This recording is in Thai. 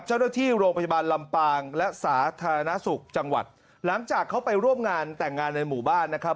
หลังจากเขาไปร่วมงานแต่งงานในหมู่บ้านนะครับ